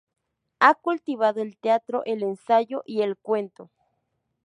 Ha cultivado el teatro, el ensayo y el cuento.